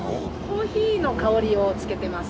コーヒーの香りをつけてます。